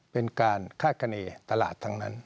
เป็นการฆาตกันเองตลาดทั้งนั้น